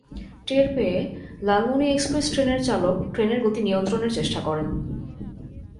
টের পেয়ে লালমনি এক্সপ্রেস ট্রেনের চালক ট্রেনের গতি নিয়ন্ত্রণের চেষ্টা করেন।